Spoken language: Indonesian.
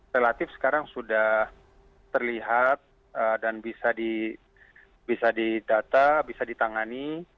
relatif sekarang sudah terlihat dan bisa didata bisa ditangani